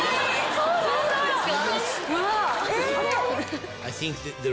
そうなんですか？